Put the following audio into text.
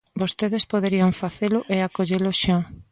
Vostedes poderían facelo e acollelo xa.